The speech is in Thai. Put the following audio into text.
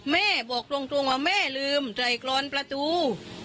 แม่บอกตรงว่าแม่ลืมใส่กรอนประตู